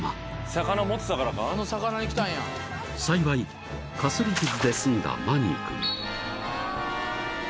［幸いかすり傷で済んだマニィ君］